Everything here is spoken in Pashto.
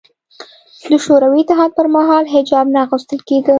د شوروي اتحاد پر مهال حجاب نه اغوستل کېده